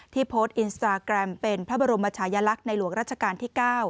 โพสต์อินสตาแกรมเป็นพระบรมชายลักษณ์ในหลวงราชการที่๙